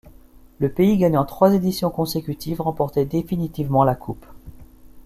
Le pays gagnant trois éditions consécutives remportait définitivement la coupe.